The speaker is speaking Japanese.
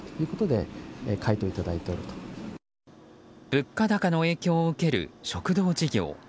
物価高の影響を受ける食堂事業。